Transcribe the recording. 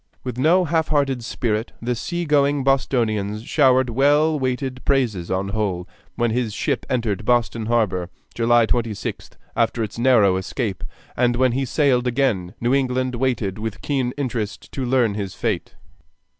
With no half hearted spirit the seagoing Bostonians showered well weighed praises on Hull when his ship entered Boston Harbor, July 26th, after its narrow escape, and when he sailed again New England waited with keen interest to learn his fate.